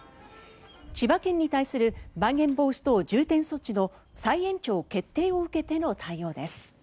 千葉県に対するまん延防止等重点措置の再延長決定を受けての対応です。